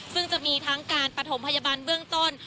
ซึ่งจะมีทั้งการปฐมพยาบาลเบื้องต้น